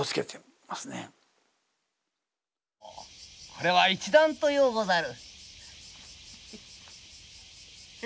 これは一段とようござる。